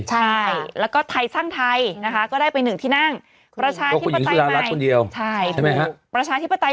ใช่แล้วก็ไทยสร้างไทยนะคะก็ได้ไป๑ที่นั่งประชาที่ประตัย